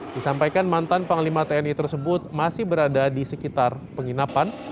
disampaikan mantan panglima tni tersebut masih berada di sekitar penginapan